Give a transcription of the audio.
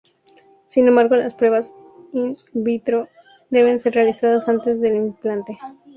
Sin embargo las pruebas "in vitro" deben ser realizadas antes del implante.